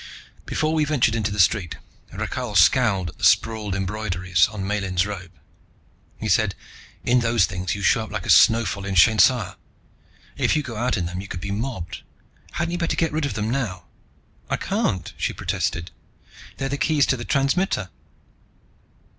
Before we ventured into the street, Rakhal scowled at the sprawled embroideries of Miellyn's robe. He said, "In those things you show up like a snowfall in Shainsa. If you go out in them, you could be mobbed. Hadn't you better get rid of them now?" "I can't," she protested. "They're the keys to the transmitter!"